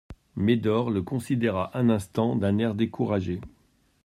Médor le considéra un instant d'un air découragé.